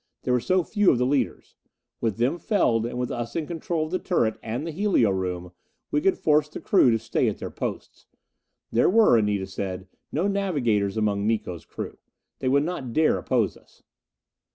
There were so few of the leaders. With them felled, and with us in control of the turret and the helio room we could force the crew to stay at their posts. There were, Anita said, no navigators among Miko's crew. They would not dare oppose us.